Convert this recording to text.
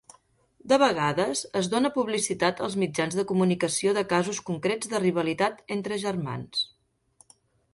De vegades, es dóna publicitat als mitjans de comunicació de casos concrets de rivalitat entre germans.